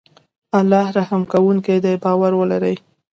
الله رحم کوونکی دی باور ولری